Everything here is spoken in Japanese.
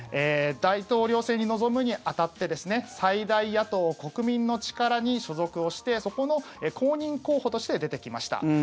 大統領選に臨むに当たって最大野党・国民の力に所属をしてそこの公認候補として出てきました。